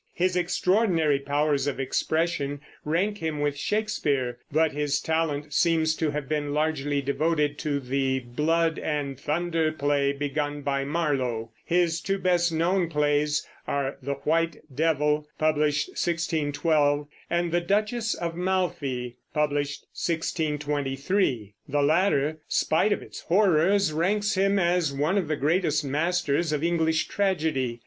His extraordinary powers of expression rank him with Shakespeare; but his talent seems to have been largely devoted to the blood and thunder play begun by Marlowe. His two best known plays are The White Devil (pub. 1612) and The Duchess of Malfi (pub. 1623). The latter, spite of its horrors, ranks him as one of the greatest masters of English tragedy.